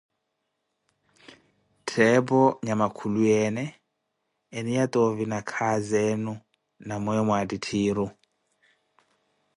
Ttheepo nyama khuluyeene eniya toovi nakhazi enu na weeyo waattitthiru?